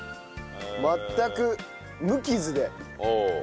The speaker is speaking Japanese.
全く無傷で。